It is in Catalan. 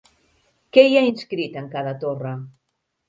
Què hi ha inscrit en cada torre?